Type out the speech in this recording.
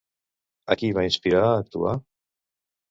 A qui va inspirar a actuar?